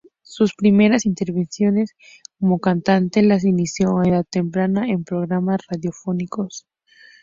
Sus primeras intervenciones como cantante las inició a edad temprana en programas radiofónicos.